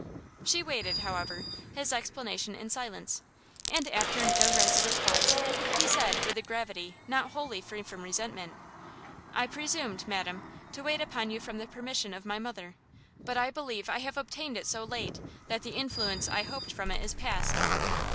She waited, however, his explanation in silence; and, after an irresolute pause, he said, with a gravity not wholly free from resentment, "I presumed, madam, to wait upon you from the permission of my mother; but I believe I have obtained it so late, that the influence I hoped from it is past!"